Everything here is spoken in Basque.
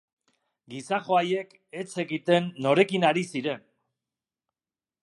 Gizajo haiek ez zekiten norekin ari ziren.